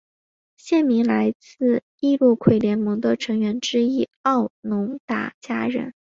县名来自易洛魁联盟的成员之一奥农达加人。